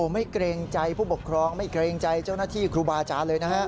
ไม่เกรงใจผู้ปกครองไม่เกรงใจเจ้าหน้าที่ครูบาอาจารย์เลยนะฮะ